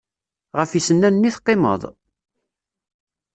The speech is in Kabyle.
Ɣef yisennanen i teqqimeḍ?